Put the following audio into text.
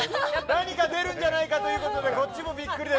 何かでるなじゃないかということでこっちも。